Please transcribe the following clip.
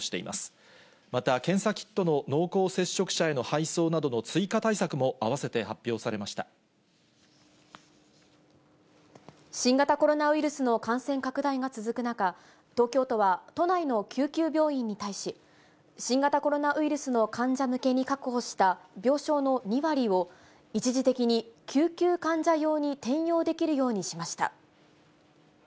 また検査キットの濃厚接触者への配送などの追加対策も併せて発表新型コロナウイルスの感染拡大が続く中、東京都は、都内の救急病院に対し、新型コロナウイルスの患者向けに確保した病床の２割を、一時的に救急患者用に転用できるようにしました。